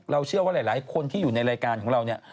เราเชื่อว่าหลายคนที่อยู่ในรายการของเรา